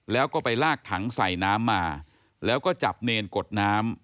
แล้วก็ไปลากถังใส่น้ำมาแล้วก็จับเนรกดน้ำ